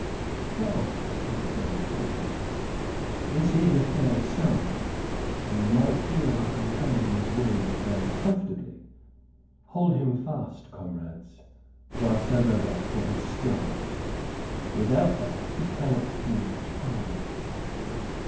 "Well," said Berry, pausing, "this is a fair sum, and might heal our companion's wounds very comfortably. Hold him fast, comrades, whilst I go back for his staff. Without that he cannot do much harm."